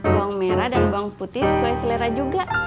bawang merah dan bawang putih sesuai selera juga